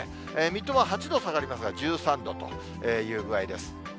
水戸は８度下がりますが、１３度という具合です。